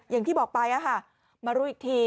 อย่างที่บอกไปมารู้อีกที